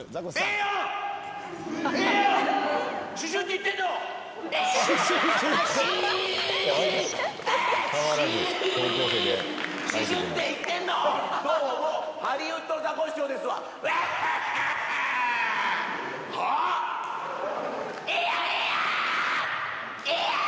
ええやん！